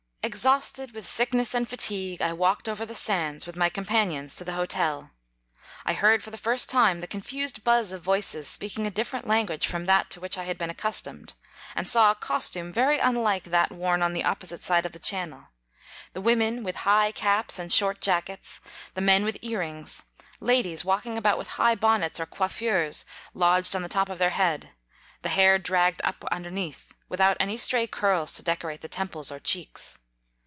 Exhausted with sickness and fatigue, I walked over the sands with my com panions to the hotel. I heard for the first time the confused buzz of voices speaking a different language from that to which I had been accustomed ; and saw a costume very unlike that worn on the opposite side of the channel; the women with high caps and short jackets; the men with .earrings; ladies walking about with high bonnets pr coiffures lodged on the top of the head, the hair dragged up underneath, with out any stray curls to decorate the temples or cheeks.